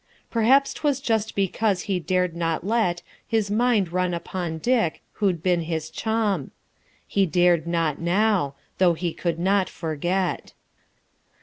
Perhaps 't was just because he dared not let His mind run upon Dick, who'd been his chum. He dared not now, though he could not forget.